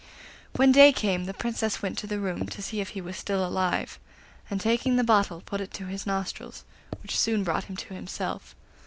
When day came the Princess went to the room to see if he was still alive, and taking the bottle put it to his nostrils, which soon brought him to himself.